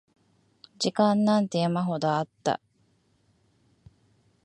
時間なんて山ほどあった